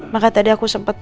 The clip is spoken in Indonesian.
maka tadi aku sempat